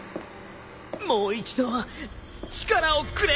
もう一度力をくれ。